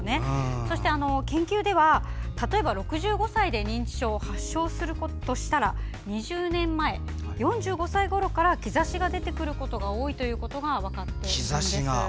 そして研究では例えば６５歳で認知症を発症するとしたら２０年前、４５歳ごろから兆しが出てくることが多いということが分かったんです。